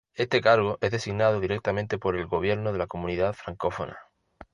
Este cargo es designado directamente por el gobierno de la comunidad francófona.